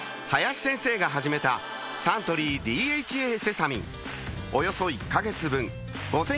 林先生が始めたサントリー「ＤＨＡセサミン」およそ１カ月分